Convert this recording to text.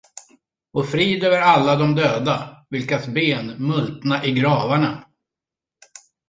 Och frid över alla de döda, vilkas ben multna i gravarna!